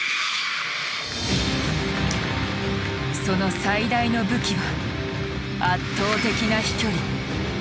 その最大の武器は圧倒的な飛距離。